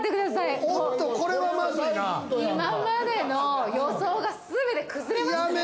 今までの予想が、すべて崩れましたね。